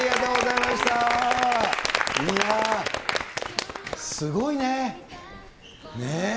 いやー、すごいね。ね。